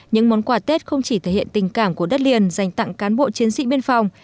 những món quà tết không chỉ thể hiện tình cảm của đất liền dành tặng cán bộ chiến sĩ biên phòng